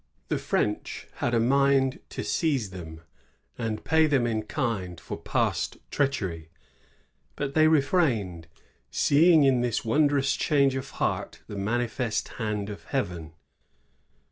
The French had a mind to seize them, and pay them in kind for past tieacheiy; but they refrained, seeing in this won drous change of heart the manifest hand of Heaven.